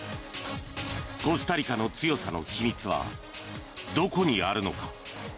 コスタリカの強さの秘密はどこにあるのか。